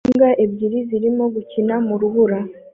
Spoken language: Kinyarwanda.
Imbwa ebyiri zirimo gukina mu rubura